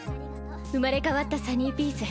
生まれ変わったサニーピース。